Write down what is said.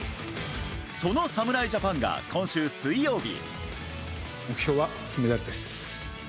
その侍ジャパンが今週水曜日。